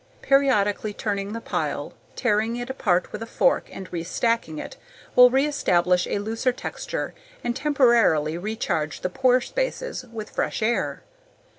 Periodically turning the pile, tearing it apart with a fork and restacking it, will reestablish a looser texture and temporarily recharge the pore spaces with fresh air.